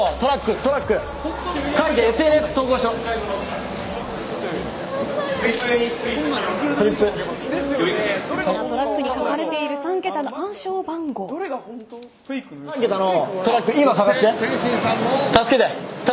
トラックに書かれている３桁の暗証番号を。